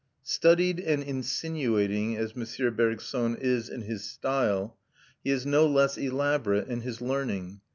Studied and insinuating as M. Bergson is in his style, he is no less elaborate in his learning.